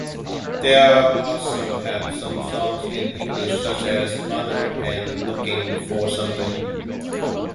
They also have some songs in English such as "Mother" and "Looking For Something".